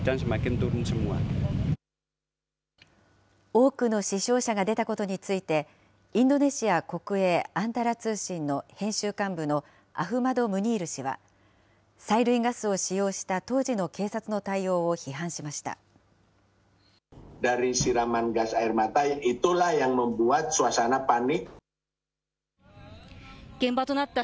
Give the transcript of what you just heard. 多くの死傷者が出たことについて、インドネシア国営アンタラ通信の編集幹部のアフマド・ムニール氏は、催涙ガスを使用した当時の警察の対応を批判しました。